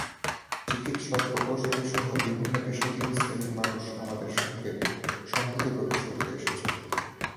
চিকিৎসক, প্রকোশলীসহ বিভিন্ন পেশাজীবী শ্রেনীর মানুষ আমাদের সঙ্গে সংহতি প্রকাশ করতে এসেছে।